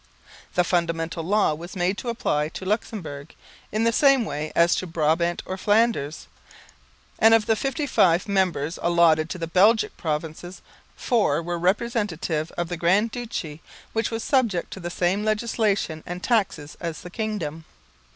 The Fundamental Law was made to apply to Luxemburg, in the same way as to Brabant or Flanders; and of the 55 members allotted to the Belgic provinces, four were representatives of the Grand Duchy, which was subject to the same legislation and taxes as the kingdom.